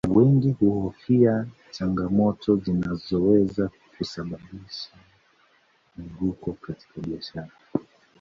Wengi huhofia changamoto zinazoweza kusababisha anguko katika biashara